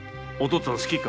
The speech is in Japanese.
っつぁん好きか？